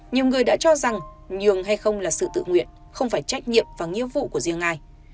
nhiều người đã cho rằng nhường hay không là sự tự nguyện không phải trách nhiệm và nghĩa vụ của riêng ai